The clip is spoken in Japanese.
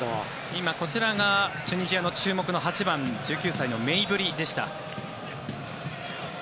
今、こちらがチュニジアの注目の８番１９歳のメイブリでした。